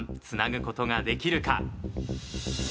つなぐ事ができるか。